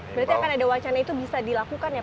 berarti akan ada wacana itu bisa dilakukan ya pak